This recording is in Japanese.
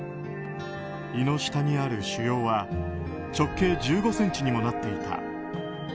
胃の下にある腫瘍は直径１５ｃｍにもなっていた。